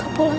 apa pun man